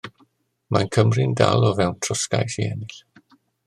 Mae Cymru'n dal o fewn trosgais i ennill.